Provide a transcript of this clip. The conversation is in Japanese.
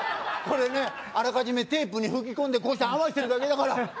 これねあらかじめテープに吹き込んで合わせてるだけだから。